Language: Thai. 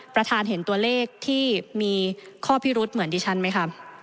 ประธานเห็นตัวเลขที่มีข้อพิรุษเหมือนดิฉันไหมคะ